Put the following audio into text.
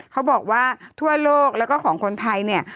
เขาบอกว่าทั่วโลกแล้วก็ของคนไทยเนี่ย